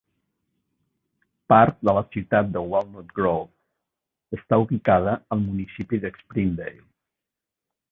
Part de la ciutat de Walnut Grove està ubicada al municipi de Springdale.